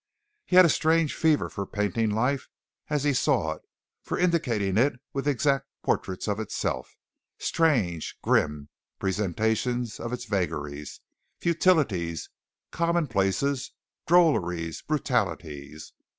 He had a strange fever for painting life as he saw it, for indicating it with exact portraits of itself, strange, grim presentations of its vagaries, futilities, commonplaces, drolleries, brutalities.